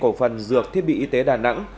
công ty cổ phần dược thiết bị y tế đà nẵng